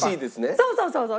そうそうそうそう。